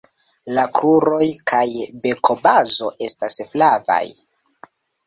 La kruroj kaj bekobazo estas flavaj.